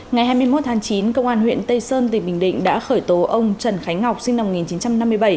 ngày hai mươi một tháng chín công an huyện tây sơn tỉnh bình định đã khởi tố ông trần khánh ngọc sinh năm một nghìn chín trăm năm mươi bảy